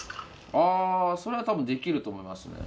あそれはたぶんできると思いますね。